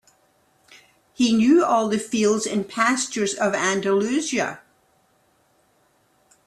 He knew all the fields and pastures of Andalusia.